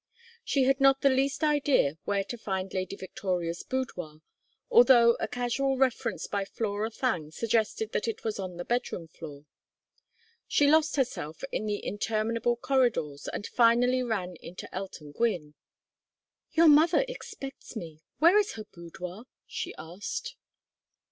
She had not the least idea where to find Lady Victoria's boudoir, although a casual reference by Flora Thangue suggested that it was on the bedroom floor. She lost herself in the interminable corridors and finally ran into Elton Gwynne. "Your mother expects me where is her boudoir?" she asked.